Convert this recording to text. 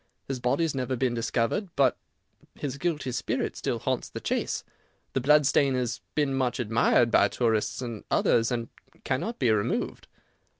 His body has never been discovered, but his guilty spirit still haunts the Chase. The blood stain has been much admired by tourists and others, and cannot be removed."